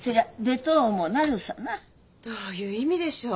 どういう意味でしょう。